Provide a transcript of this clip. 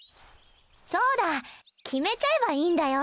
そうだ決めちゃえばいいんだよ。